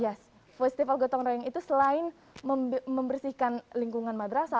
yes festival gotong royong itu selain membersihkan lingkungan madrasah